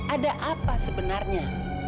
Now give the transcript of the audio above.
ada apa sebenarnya